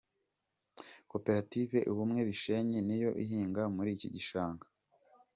Koperative ‘Ubumwe Bishenyi’ niyo ihinga muri iki gishanga.